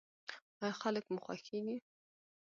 ایا خلک مو خوښیږي؟